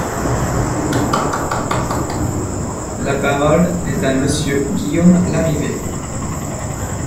(Applaudissements sur les bancs du groupe SRC.) La parole est à Monsieur Guillaume Larrivé.